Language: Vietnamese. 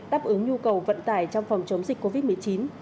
đáp ứng nhu cầu vận tải trong phòng chống dịch covid một mươi chín